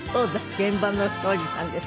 現場の東海林さんです。